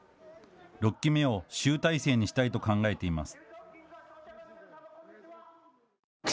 ６期目を集大成にしたいと考えています。